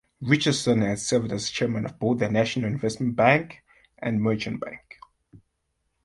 Richardson has served as Chairman of both the National Investment Bank and Merchant Bank.